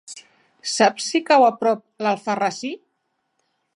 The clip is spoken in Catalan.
Saps si cau a prop d'Alfarrasí?